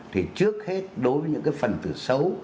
thì trước hết đối với những phần từ xấu